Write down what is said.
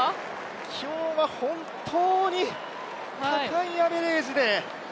今日は本当に高いアベレージで。